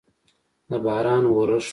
د باران اورښت